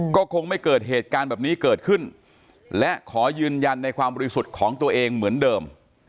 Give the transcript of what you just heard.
ก็คงไม่เกิดเหตุการณ์แบบนี้เกิดขึ้นและขอยืนยันในความบริสุทธิ์ของตัวเองเหมือนเดิม